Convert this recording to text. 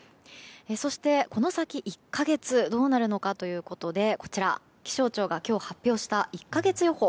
そして、この先１か月どうなるのかということでこちら、気象庁が今日発表した１か月予報。